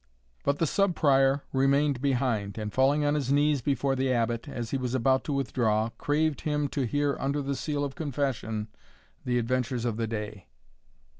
But the Sub Prior remained behind, and falling on his knees before the Abbot, as he was about to withdraw, craved him to hear under the seal of confession the adventures of the day.